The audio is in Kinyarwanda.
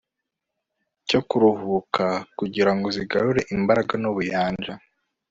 cyo kuruhuka kugira ngo zigarure imbaraga nubuyanja